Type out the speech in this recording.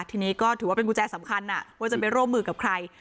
ทีนี้ก็ถือว่าเป็นกุญแจสำคัญว่าจะไปร่วมมือกับใคร